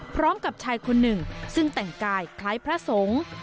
พร้อมกับชายคนหนึ่งซึ่งแต่งกายคล้ายพระสงฆ์